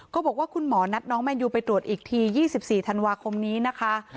ก็บอกว่าคุณหมอนัดน้องแมนยูไปตรวจอีกที๒๔ธันวาคมนี้นะคะ